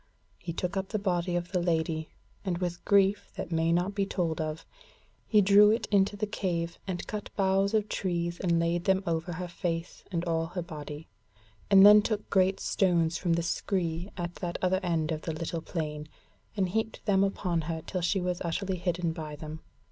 He took up the body of the Lady and with grief that may not be told of, he drew it into the cave, and cut boughs of trees and laid them over her face and all her body, and then took great stones from the scree at that other end of the little plain, and heaped them upon her till she was utterly hidden by them.